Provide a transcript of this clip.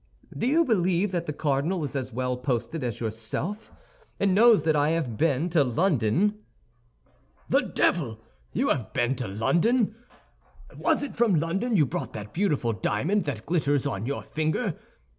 "Do you believe that the cardinal is as well posted as yourself, and knows that I have been to London?" "The devil! You have been to London! Was it from London you brought that beautiful diamond that glitters on your finger?